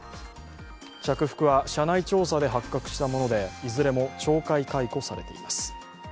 着服は社内調査で発覚したものでいずれも懲戒解雇されています。